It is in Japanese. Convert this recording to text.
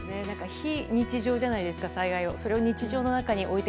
非日常じゃないですか災害って。